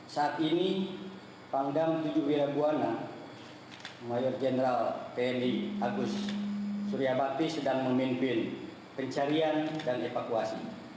saat ini pangdam tujuh wirabuana mayor jenderal tni agus suryabakti sedang memimpin pencarian dan evakuasi